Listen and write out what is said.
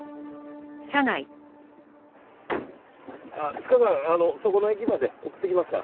スカさんそこの駅まで送っていきますから。